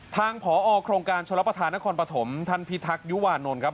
ผอโครงการชลประธานนครปฐมท่านพิทักษยุวานนท์ครับ